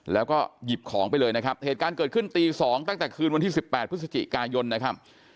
แล้วก็หยิบของไปเลยนะครับเหตุการณ์เกิดขึ้นตี๒ตั้งแต่คืนวันที่๑๘พฤศจิกายนนะครับ